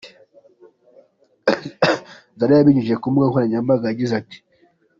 Zari yabinyujije ku mbuga nkoranyambaga yagize ati:.